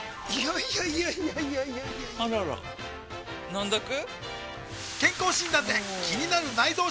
いやいやいやいやあらら飲んどく？